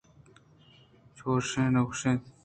چُش کہ گوٛ شنت